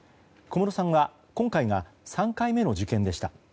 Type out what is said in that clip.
小室さんは今回が３回目の受験でした。